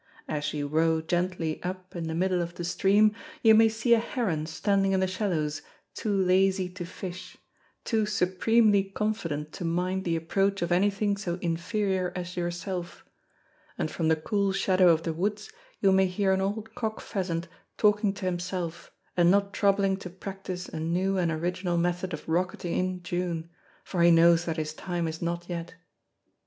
As you row gently up in the middle of the stream, you may see a heron standing in the shallows, too lazy to fish, too supremely confident to mind the approach of anything so inferior as yourself, and from the cool shadow of the woods you may hear an old cock pheasant talking to himself, and not troubling to practise a new and original method of rocketing in June, for he knows that his time is not yet.